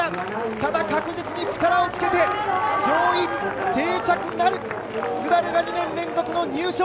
ただ、確実に力をつけて上位定着なる、ＳＵＢＡＲＵが２年連続の入賞。